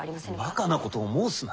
バカなことを申すな。